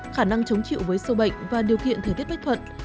khả năng chống chịu với sâu bệnh và điều kiện thời tiết bách thuận